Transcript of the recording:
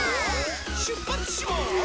しゅっぱつします！